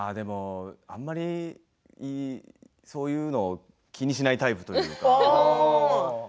あんまりそういうのを気にしないタイプというか。